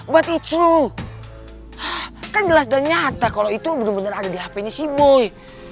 but it's true kan jelas dan nyata kalo itu bener bener ada di hpnya si boy